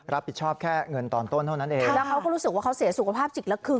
รับผิดชอบแค่เงินตอนต้นเท่านั้นเองแล้วเขาก็รู้สึกว่าเขาเสียสุขภาพจิตแล้วคือ